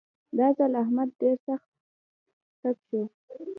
دا ځل احمد ډېر سخت تپ شو.